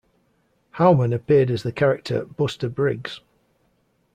Howman appeared as the character Buster Briggs.